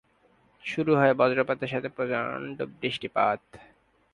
শুরু হয় বজ্রপাতের সাথে প্রচন্ড বৃষ্টিপাত।